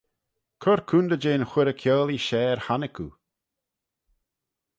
Cur coontey jeh'n chuirrey kiaullee share honnick oo.